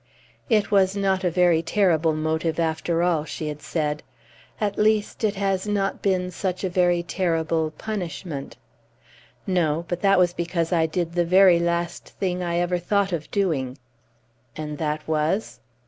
"It was not a very terrible motive, after all," she had said; "at least, it has not been such a very terrible punishment!" "No; but that was because I did the very last thing I ever thought of doing." "And that was?"